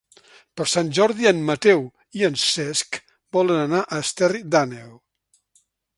Per Sant Jordi en Mateu i en Cesc volen anar a Esterri d'Àneu.